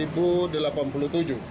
seribu delapan puluh tujuh